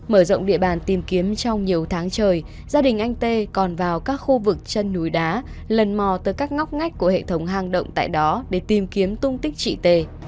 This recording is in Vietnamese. mở rộng địa bàn tìm kiếm trong nhiều tháng trời gia đình anh tê còn vào các khu vực chân núi đá lần mò tới các ngóc ngách của hệ thống hang động tại đó để tìm kiếm tung tích chị tề